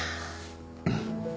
うん。